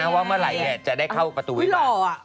ว่าเมื่อไหร่จะได้เข้าประตูไว้ก่อน